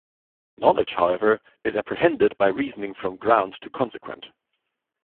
Knowledge, however, is apprehended by reasoning from ground to consequent.